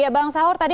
ya bang sahur